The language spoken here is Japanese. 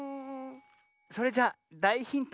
それじゃだいヒント。